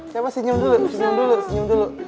siapa senyum dulu senyum dulu senyum dulu